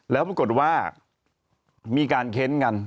แล้วปรากฏว่ามีการเค้นกัน